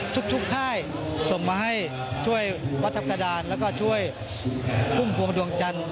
ทุกค่ายส่งมาให้ช่วยวัดทัพกระดานแล้วก็ช่วยพุ่มพวงดวงจันทร์